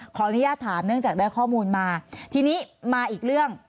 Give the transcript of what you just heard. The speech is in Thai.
ขออนุญาตถามเนื่องจากได้ข้อมูลมาทีนี้มาอีกเรื่อง